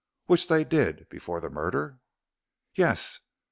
"Which they did, before the murder?" "Yes.